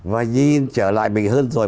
và nhìn trở lại mình hơn rồi